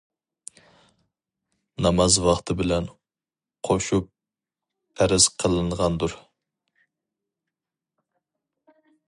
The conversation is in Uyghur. ناماز ۋاقتى بىلەن قوشۇپ پەرز قىلىنغاندۇر.